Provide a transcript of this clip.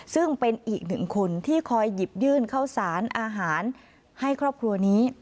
ซึ่งเป็นอีกหนึ่งคนที่คอยหยิบยื่นเข้าสารอาหารให้ครอบครัวนี้